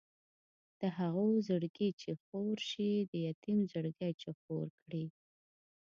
د هغو زړګی چې خور شي د یتیم زړګی چې خور کړي.